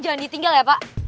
jangan ditinggal ya pak